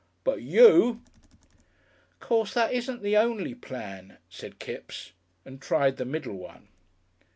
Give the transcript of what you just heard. But you " "Course that isn't the o'ny plan," said Kipps, and tried the middle one.